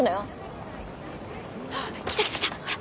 来た来た来たほら。